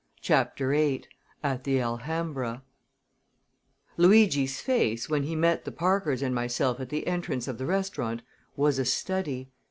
CHAPTER VIII AT THE ALHAMBRA Luigi's face, when he met the Parkers and myself at the entrance of the restaurant, was a study.